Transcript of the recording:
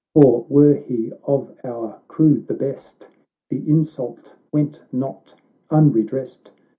For, were he of our crew the best, The insult went not unredressed.